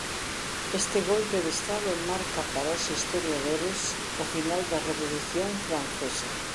Este golpe de estado marca para os historiadores o final da Revolución francesa.